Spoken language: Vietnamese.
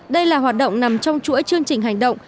đây là hoạt động nằm trong chuỗi chương trình hành động